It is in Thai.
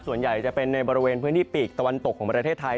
ส่วนใหญ่จะเป็นในบริเวณพื้นที่ปีกตะวันตกของประเทศไทย